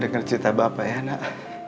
dengar cerita bapak ya nak